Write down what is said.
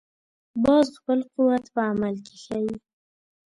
باز خپل قوت په عمل کې ښيي